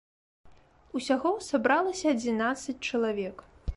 Усяго сабралася адзінаццаць чалавек.